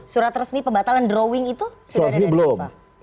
surat resmi pembatalan drawing itu sudah ada di fifa